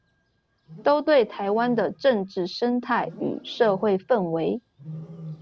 都對臺灣的政治生態與社會氛圍